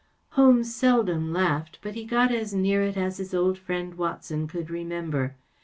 Holmes seldom laughed, but he got as near it as his old friend Watson could remember.